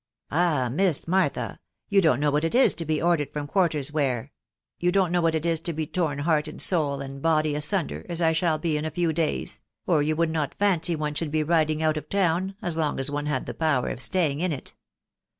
" Ah ! Miss Martha !.... You donft know what it is to be ordered from quarters where .... you don't know what it is to be torn heart and soul and body asunder, as I shall be in a few days, •... or you would not fancy one should bo riding out of town, as long as one had the power of staying in it